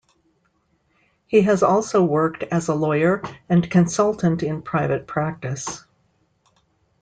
He has also worked as a lawyer and consultant in private practice.